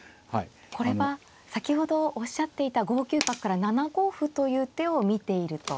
これは先ほどおっしゃっていた５九角から７五歩という手を見ていると。